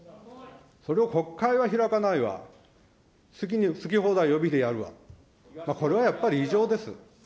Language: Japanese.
それを国会はひらかないわ、好き放題予備費でやるわ、これはやっぱり異常です。